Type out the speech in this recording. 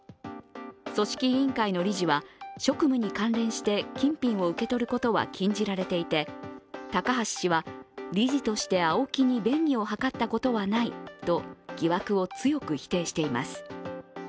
組織委員会の理事は、職務に関連して金品を受け取ることは禁じられていて高橋氏は、理事としてＡＯＫＩに便宜を図ったことはないと疑惑を強く否定しています。